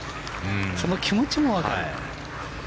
その気持ちも分かる。